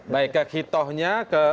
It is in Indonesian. baik ke hitohnya